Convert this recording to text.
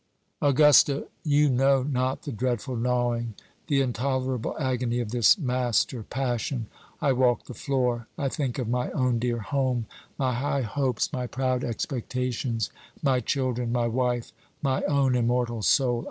"Augusta, you know not the dreadful gnawing, the intolerable agony of this master passion. I walk the floor I think of my own dear home, my high hopes, my proud expectations, my children, my wife, my own immortal soul.